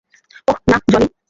ওহ, না, জনি!